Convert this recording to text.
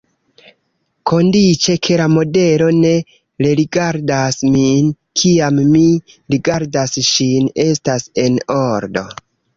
Kondiĉe, ke la modelo ne rerigardas min, kiam mi rigardas ŝin, estas en ordo.